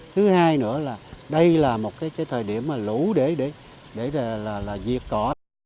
thứ hai nữa là đây là một thời điểm lũ để diệt cỏ